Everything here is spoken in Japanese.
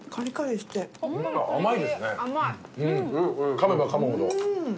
かめばかむほど。